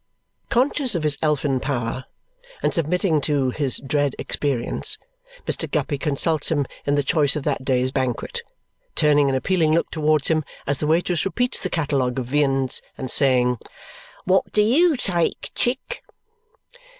Conscious of his elfin power and submitting to his dread experience, Mr. Guppy consults him in the choice of that day's banquet, turning an appealing look towards him as the waitress repeats the catalogue of viands and saying "What do YOU take, Chick?"